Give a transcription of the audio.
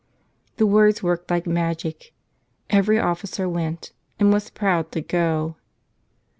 '' The words worked like magic. Every officer went — and was proud to go.